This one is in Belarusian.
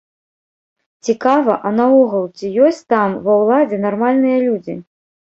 Цікава, а наогул ці ёсць там, ва ўладзе, нармальныя людзі?